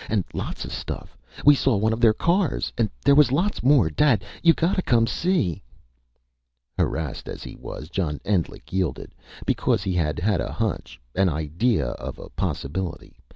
And lots of stuff. We saw one of their cars! And there was lots more. Dad you gotta come and see!..." Harassed as he was, John Endlich yielded because he had a hunch, an idea of a possibility.